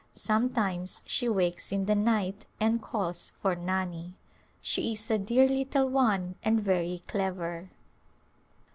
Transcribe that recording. Sometimes she wakes in the night and calls for Nani. She is a dear little one and very clever.